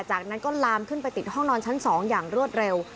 จากนั้นก็ลามขึ้นไปติดห้องนอนชั้น๒อย่างรวดเร็ว